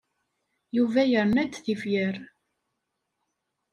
Yuba yerna-d tifyar.